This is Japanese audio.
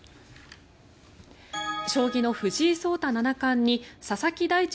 将棋の藤井聡太七冠に佐々木大地